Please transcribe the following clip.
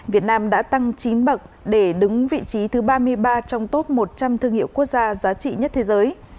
việt nam đã tăng chín bậc để đứng vị trí thứ ba mươi ba trong top một trăm linh thương hiệu quốc gia giá trị nhất thế giới